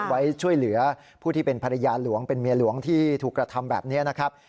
ไว้ช่วยเหลือผู้ที่เป็นภรรยาหลวงเป็นเมียหลวงที่ถูกกระทำแบบนี้นะครับ